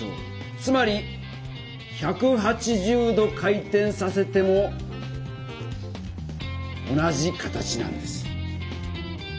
つまり１８０度回転させても同じ形なんです。